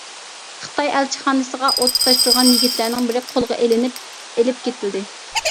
خىتاي ئەلچىخانىسىغا ئوت تۇتاشتۇرغان يىگىتلەردىن بىرى قولغا ئىلىنىپ، ئىلىپ كېتىلدى.